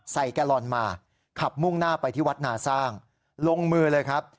แกลลอนมาขับมุ่งหน้าไปที่วัดนาสร้างลงมือเลยครับ